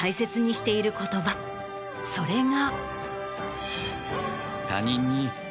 それが。